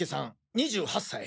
２８歳。